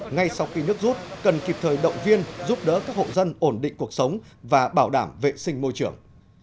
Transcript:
ngay sau khi nước rút cần kịp thời động viên giúp đỡ các hộ dân ổn định cuộc sống và bảo đảm vệ sinh môi trường